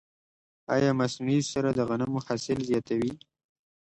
آیا عضوي سره د غنمو حاصل زیاتوي؟